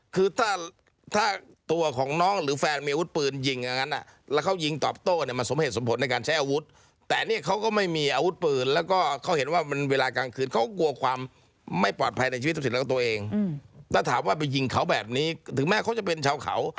คือถ้าถ้าตัวของน้องหรือแฟนมีอาวุธปืนยิงอย่างงั้นอ่ะ